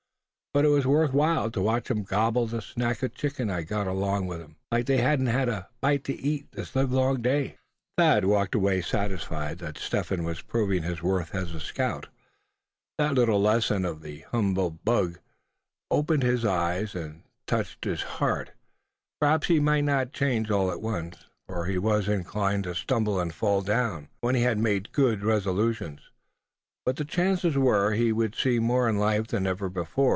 But it was worth while to watch 'em gobble the snack of chicken I got along with 'em, like they hadn't had a bite to eat this livelong day." Thad walked away, satisfied that Step Hen was proving his worth as a scout. That little lesson of the humble bug had opened his eyes, and through those touched his heart. Perhaps he might not change all at once, for he was inclined to stumble, and fall down, when he had made good resolutions; but the chances were he would see more in life than ever before.